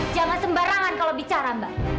jangan sembarangan kalau bicara mbak